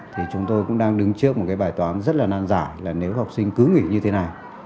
thì chúng tôi cũng đang đứng trước một cái bài toán rất là nan giải là nếu học sinh cứ nghỉ như thế nào